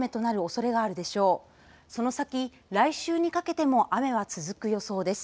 その先、来週にかけても雨は続く予想です。